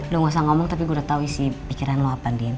lo gak usah ngomong tapi gue udah tau isi pikiran lo apa din